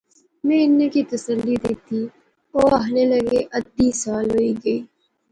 میں انیں کی تسلی دیتی۔ او آخنے لغے، ادھی سال ہوئی گئی